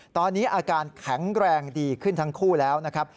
ตอนนี้อาการแข็งแรงดีขึ้นทั้งคู่แล้วนะครับ